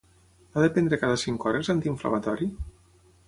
He de prendre cada cinc hores l'antiinflamatori?